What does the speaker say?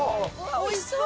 おいしそう！